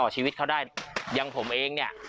ชีวิตเขาได้อย่างผมเองเนี่ย